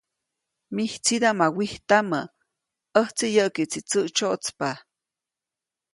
‒Mijtsidaʼm ma wijtamä, ʼäjtsi yäʼkiʼtsi tsäʼtsyäʼtspa-.